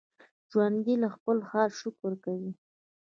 ژوندي له خپل حاله شکر کوي